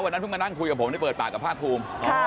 เพิ่งมานั่งคุยกับผมได้เปิดปากกับภาคภูมิ